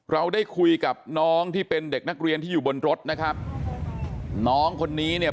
เราได้คุยกับน้องที่เป็นเด็กนักเรียนที่อยู่บนรถนะครับน้องคนนี้เนี่ย